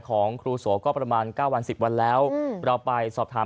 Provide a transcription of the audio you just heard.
ของครูโสก็ประมาณ๙วัน๑๐วันแล้วเราไปสอบถาม